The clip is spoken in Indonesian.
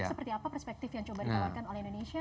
seperti apa perspektif yang coba ditawarkan oleh indonesia